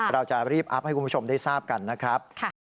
เราจะรีบอัพให้คุณผู้ชมได้ทราบกันนะครับ